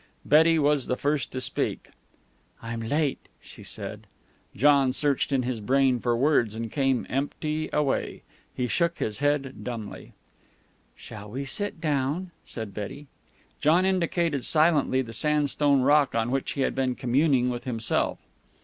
Betty was the first to speak. "I'm late," she said. John searched in his brain for words, and came empty away. He shook his head dumbly. "Shall we sit down?" said Betty. John indicated silently the sandstone rock on which he had been communing with himself.